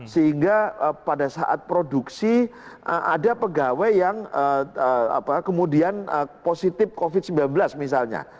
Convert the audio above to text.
sehingga pada saat produksi ada pegawai yang kemudian positif covid sembilan belas misalnya